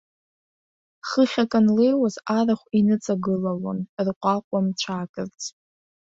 Хыхь акы анлеиуаз арахә иныҵагылалон, рҟәаҟәа мцәаакырц.